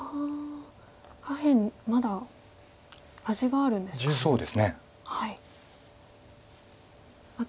下辺まだ味があるんですか。